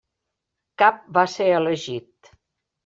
Cap va ser elegit.